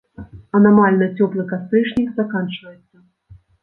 Анамальна цёплы кастрычнік заканчваецца.